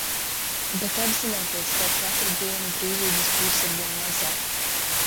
Bet apzināties, ka ar katru dienu brīvības būs arvien mazāk.